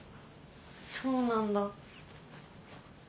そうなんだ。